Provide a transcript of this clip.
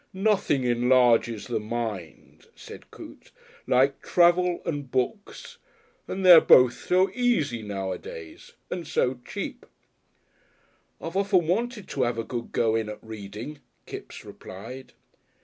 "Nothing enlarges the mind," said Coote, "like Travel and Books.... And they're both so easy nowadays, and so cheap!" "I've often wanted to 'ave a good go in at reading," Kipps replied.